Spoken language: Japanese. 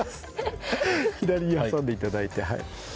左に挟んでいただいてはい。